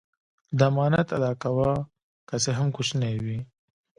د امانت ادا کوه که څه هم کوچنی وي.